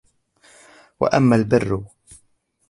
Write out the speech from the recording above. وَأَمَّا الْبِرُّ